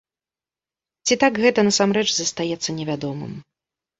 Ці так гэта насамрэч застаецца невядомым.